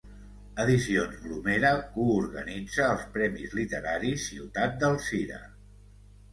Edicions Bromera coorganitza els Premis Literaris Ciutat d'Alzira.